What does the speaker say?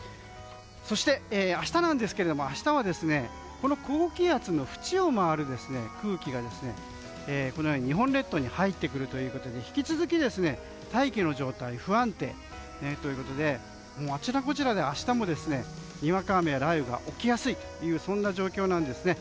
そして、明日ですが高気圧の縁を回る空気が日本列島に入ってくるということで引き続き、大気の状態が不安定であちらこちらで明日もにわか雨や雷雨が起きやすい状況なんですね。